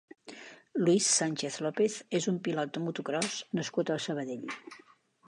Luis Sánchez López és un pilot de motocròs nascut a Sabadell.